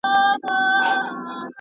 کېدای سي تمرين ستړي وي؟!